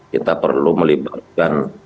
kita perlu melibatkan